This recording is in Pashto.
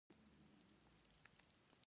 دا د مقدس هدف رسېدلو په منظور.